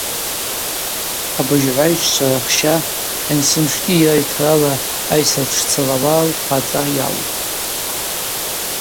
Абыжьгӏвайщчва рахща ансимшгьи йара йтарала айсра дшцалауа лхъацӏа йалхӏвтӏ.